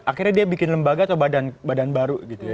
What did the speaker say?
akhirnya dia bikin lembaga atau badan baru gitu ya